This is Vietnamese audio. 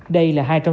đây là hai trường